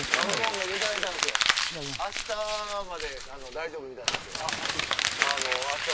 明日まで大丈夫みたいなんで明日